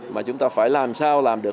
mà chúng ta phải làm sao làm được